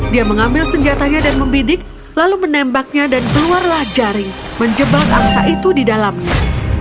dia mengambil senjatanya dan membidik lalu menembaknya dan keluarlah jari menjebak angsa itu di dalamnya